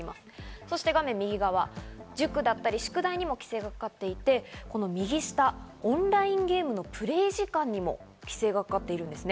そして塾や宿題にも規制がかかっていて、オンラインゲームのプレイ時間にも規制がかかっているんですね。